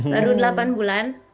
baru delapan bulan